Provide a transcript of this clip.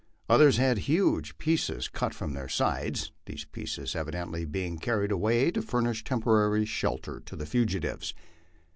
Others had huge pieces cut from their sides, these pieces evidently being carried away to furnish temporary shelter to the fugitives.